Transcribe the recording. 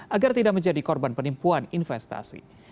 agar tidak menjadi korban penipuan investasi